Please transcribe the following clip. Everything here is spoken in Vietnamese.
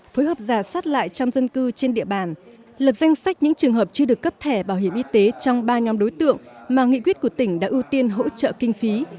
phối hợp giả soát lại trong dân cư trên địa bàn lập danh sách những trường hợp chưa được cấp thẻ bảo hiểm y tế trong ba nhóm đối tượng mà nghị quyết của tỉnh đã ưu tiên hỗ trợ kinh phí